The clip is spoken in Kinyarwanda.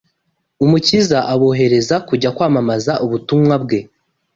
Umukiza abohereze kujya kwamamaza ubutumwa bwe